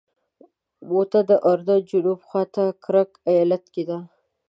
موته د اردن جنوب خواته کرک ایالت کې ده.